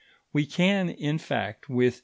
We can, in fact, with M.